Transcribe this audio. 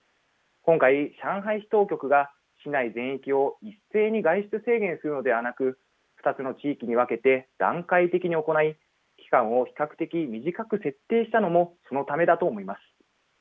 今回、上海市当局が市内全域を一斉に外出制限するのではなく、２つの地域に分けて段階的に行い、期間を比較的短く設定したのもそのためだと思います。